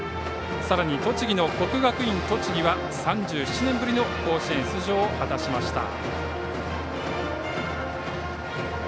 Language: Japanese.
さらに栃木の国学院栃木は３７年ぶりの甲子園出場を果たしました。